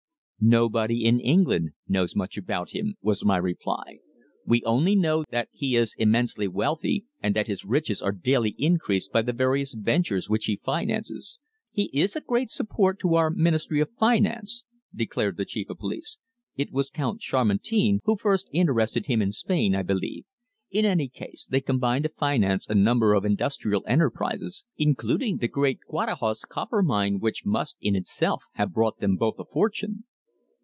"Nobody in England knows much about him," was my reply. "We only know that he is immensely wealthy, and that his riches are daily increased by the various ventures which he finances." "He is a great support to our Ministry of Finance," declared the Chief of Police. "It was Count Chamartin who first interested him in Spain, I believe. In any case, they combined to finance a number of industrial enterprises, including the great Guadajoz Copper Mine which must, in itself, have brought them both a fortune."